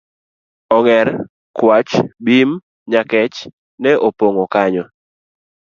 Ong'er, kwach, Bim, nyakech ne opong'o kanyo